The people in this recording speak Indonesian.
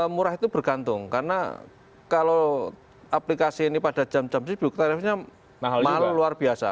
murah itu bergantung karena kalau aplikasi ini pada jam jam sibuk tarifnya mahal luar biasa